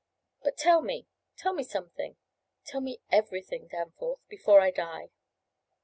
But tell me tell me something tell me everything, Danforth, before I die!"